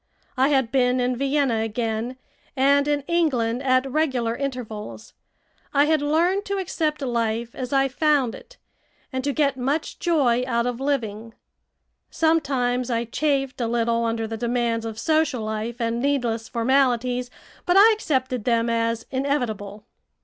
I had been in Vienna again, and in England at regular intervals. I had learned to accept life as I found it, and to get much joy out of living. Sometimes I chafed a little under the demands of social life and needless formalities, but I accepted them as inevitable.